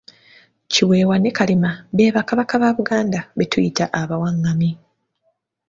Kiweewa ne Kalema be ba Kabaka ba Buganda be tuyita abawangami.